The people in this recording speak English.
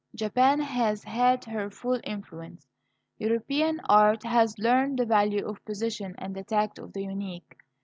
Japan has had her full influence. European art has learnt the value of position and the tact of the unique.